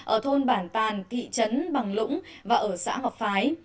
ở thôn bản tàn thị trấn bằng lũng và ở xã ngọc phái